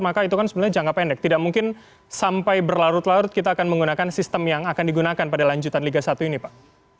maka itu kan sebenarnya jangka pendek tidak mungkin sampai berlarut larut kita akan menggunakan sistem yang akan digunakan pada lanjutan liga satu ini pak